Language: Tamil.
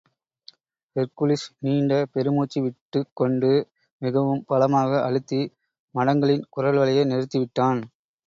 ஹெர்க்குலிஸ் நீண்ட பெரு முச்சுவிட்டுக் கொண்டு, மிகவும் பலமாக அழுத்தி மடங்கலின் குரல்வளையை நெரித்துவிட்டான்!